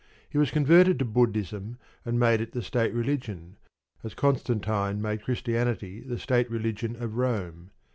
He was converted to Buddhism, and made it the State religion, as Constantine made Christianity the State religion of Rome.